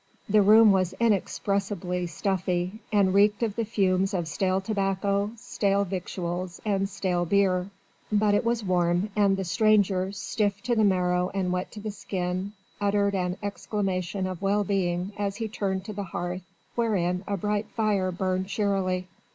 The room was inexpressibly stuffy, and reeked of the fumes of stale tobacco, stale victuals and stale beer; but it was warm, and the stranger, stiff to the marrow and wet to the skin, uttered an exclamation of well being as he turned to the hearth, wherein a bright fire burned cheerily.